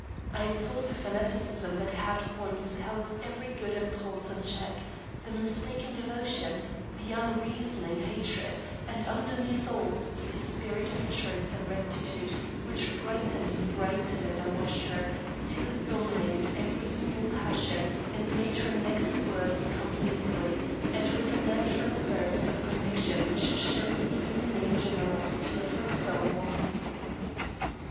I saw the fanaticism that that had once held every good impulse in check, the mistaken devotion, the unreasoning hatred, and, underneath all, a spirit of truth and rectitude which brightened and brightened as I watched her, till it dominated every evil passion and made her next words come easily, and with a natural burst of conviction which showed the innate generosity of her soul.